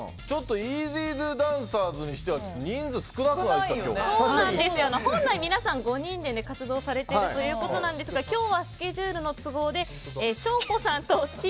イージードゥダンサーズにしては本来皆さん５人で活動されているということですが今日はスケジュールの都合でしょーこさんとちぃ